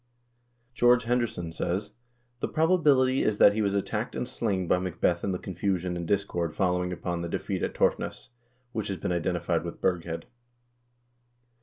George Henderson says: "The probability is that he was attacked and slain by Macbeth in the confusion and discord following upon the defeat at Torfness, which has been identified with Burghead."